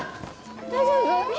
大丈夫？